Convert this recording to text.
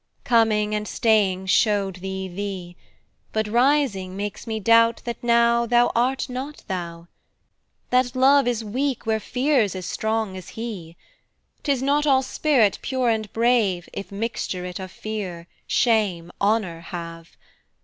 Coming and staying show'd thee thee; But rising makes me doubt that nowThou art not thou. That Love is weak where Fear's as strong as he;'Tis not all spirit pure and brave, If mixture it of Fear, Shame, Honour have.